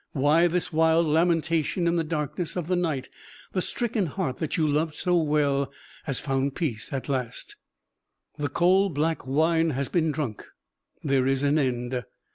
Why this wild lamentation in the darkness of the night? The stricken heart that you loved so well has found peace at last; the coal black wine has been drunk: there is an end!